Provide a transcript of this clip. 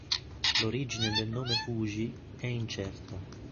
L'origine del nome "Fuji" è incerta.